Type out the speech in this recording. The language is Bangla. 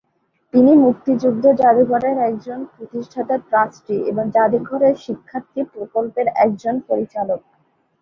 তিনি মুক্তিযুদ্ধ জাদুঘরের একজন প্রতিষ্ঠাতা ট্রাস্টি এবং জাদুঘরের শিক্ষার্থী প্রকল্পের একজন পরিচালক।